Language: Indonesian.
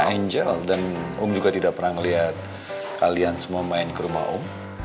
angel dan om juga tidak pernah melihat kalian semua main ke rumah om